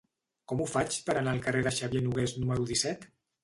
Com ho faig per anar al carrer de Xavier Nogués número disset?